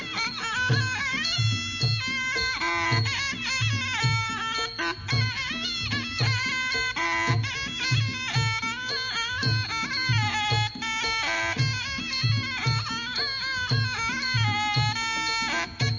สวัสดีค่ะ